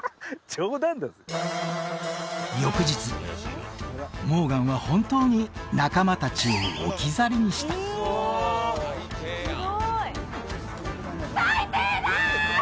冗談だぜ翌日モーガンは本当に仲間達を置き去りにした最低だ！